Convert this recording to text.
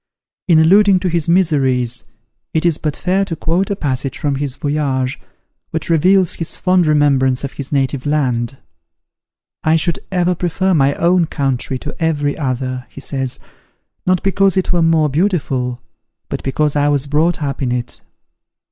In alluding to his miseries, it is but fair to quote a passage from his "Voyage," which reveals his fond remembrance of his native land. "I should ever prefer my own country to every other," he says, "not because it was more beautiful, but because I was brought up in it.